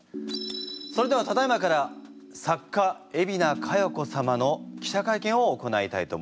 それではただいまから作家海老名香葉子様の記者会見を行いたいと思います。